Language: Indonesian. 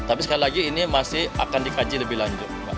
tapi sekali lagi ini masih akan dikaji lebih lanjut